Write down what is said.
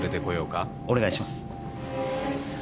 お願いします。